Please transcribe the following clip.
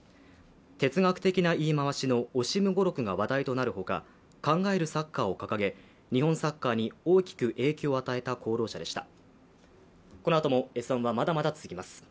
哲学的な言い回しのオシム語録が話題となるほか考えるサッカーを掲げ日本サッカーに大きく影響を与えた功労者でした。